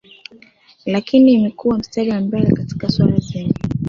lakini imekuwa mstari wa mbele katika swala zima